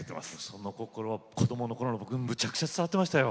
その心子どもの頃の僕にむちゃくちゃ伝わってましたよ。